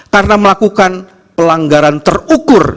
karena melakukan pelanggaran terukur